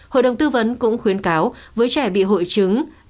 hội đồng tư vấn cũng khuyến cáo với trẻ bị hội chứng